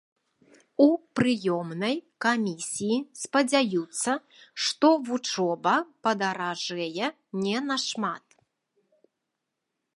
У прыёмнай камісіі спадзяюцца, што вучоба падаражэе не нашмат.